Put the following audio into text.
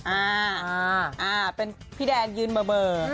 อ่าเป็นพี่แดนยืนเบอร์